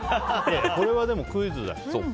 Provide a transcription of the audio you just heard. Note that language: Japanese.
これはでもクイズだし。